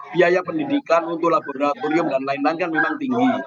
biaya pendidikan untuk laboratorium dan lain lain kan memang tinggi